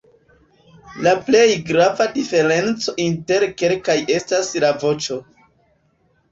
La plej grava diferenco inter kelkaj estas la voĉo.